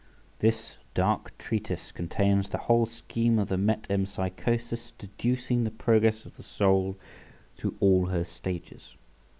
This dark treatise contains the whole scheme of the metempsychosis, deducing the progress of the soul through all her stages.